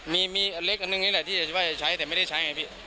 มีอันเล็กอันนึงนี่แหละที่ว่าจะใช้แต่ไม่ได้ใช้ไงพี่